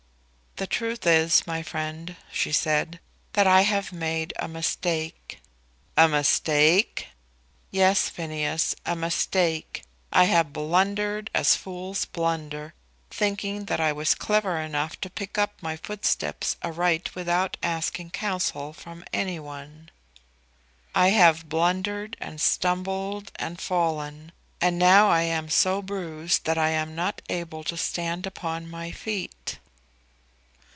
"The truth is, my friend," she said, "that I have made a mistake." "A mistake?" "Yes, Phineas, a mistake. I have blundered as fools blunder, thinking that I was clever enough to pick my footsteps aright without asking counsel from any one. I have blundered and stumbled and fallen, and now I am so bruised that I am not able to stand upon my feet."